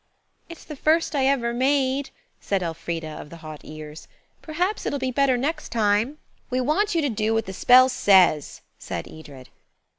"It's the first I ever made," said Elfrida, of the hot ears. "Perhaps it'll be better next time." "We want you to do what the spell says," said Edred.